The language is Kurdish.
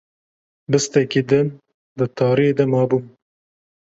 Bistekî din di tariyê de mabûm